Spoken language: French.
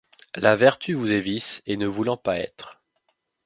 La vertu vous est vice, et ne voulant pas être-